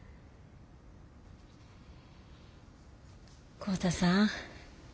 浩太さん